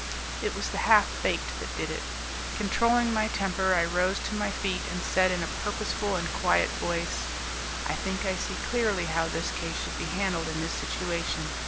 It was the "half baked" that did it. Controlling my temper I rose to my feet and said in a purposeful, quiet voice, "I think I see clearly how this case should be handled in this situation.